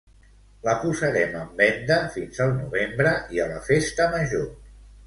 La posarem en venda fins al novembre i a la festa major.